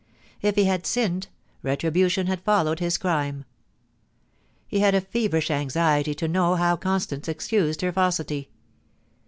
If he had sinned, retribution had followed his crime. He had a feverish anxiety to know how Constance excused her falsity.